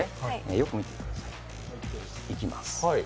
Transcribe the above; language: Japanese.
よく見ていてください。いきます。